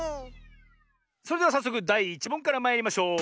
それではさっそくだい１もんからまいりましょう！